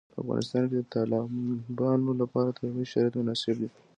په افغانستان کې د تالابونه لپاره طبیعي شرایط مناسب دي.